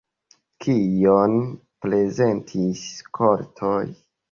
Kion prezentis skoltoj?